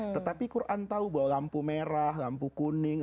tetapi quran tahu bahwa lampu merah lampu kuning